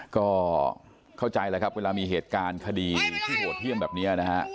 ก็เข้าใจแล้วครับเวลามีเหตุการณ์คดีที่โหดเยี่ยมแบบนี้นะฮะ